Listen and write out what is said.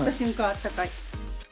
あったかい！